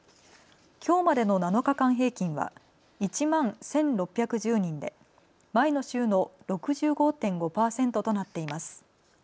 きょうまでの７日間平均は１万１６１０人で前の週の６５．５％となっています。